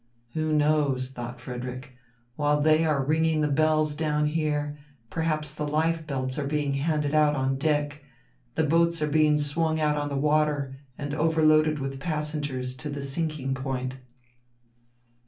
"Who knows," thought Frederick, "while they are ringing the bells down here, perhaps the life belts are being handed out on deck, the boats are being swung out on the water and over loaded with passengers to the sinking point."